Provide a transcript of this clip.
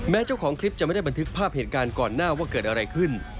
เจ้าของคลิปจะไม่ได้บันทึกภาพเหตุการณ์ก่อนหน้าว่าเกิดอะไรขึ้น